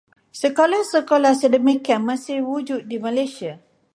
Sekolah-sekolah sedemikian masih wujud di Malaysia.